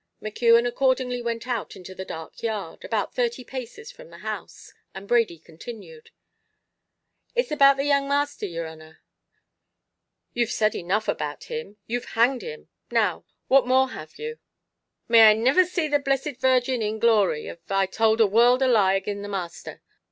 McKeon accordingly went out into the dark yard, about thirty paces from the house, and Brady continued "It's about the young masther, yer honor." "You've said enough about him; you've hanged him; now, what more have you?" "May I niver see the Blessed Virgin in glory av I towld a word of a lie agin the masther.